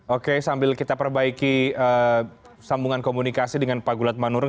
oke sambil kita perbaiki sambungan komunikasi dengan pak gulat manurung